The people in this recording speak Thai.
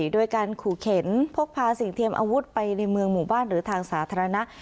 โดยการขู่เข็นพกพาสิ่งเทียมอาวุธไปในเมืองหมู่บ้านหรือทางสาธารณะ